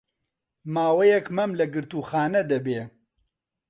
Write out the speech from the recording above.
ماوەیەک مەم لە گرتووخانە دەبێ